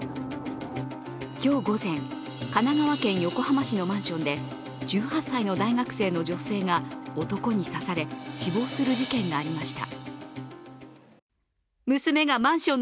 今日午前、神奈川県横浜市のマンションで１８歳の大学生の女性が男に刺され死亡する事件がありました。